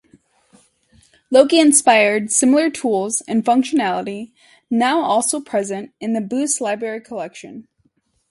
Loki inspired similar tools and functionality now also present in the Boost library collection.